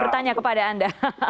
pertanya kepada anda